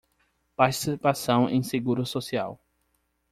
Participação em seguro social